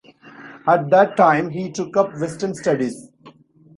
At that time he took up Western studies.